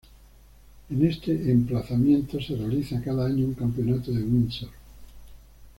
En ese emplazamiento se realiza cada año un campeonato de windsurf.